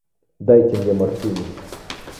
Дайте мне морфину.